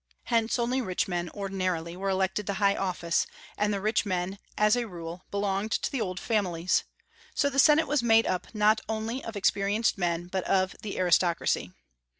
Hence only rich men, ordinarily, were elected to high office; and the rich men, as a rule, belonged to the old families. So the Senate was made up not only of experienced men, but of the aristocracy.